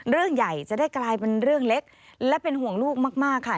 เรื่องใหญ่จะได้กลายเป็นเรื่องเล็กและเป็นห่วงลูกมากค่ะ